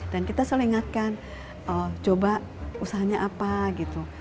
kita selalu ingatkan coba usahanya apa gitu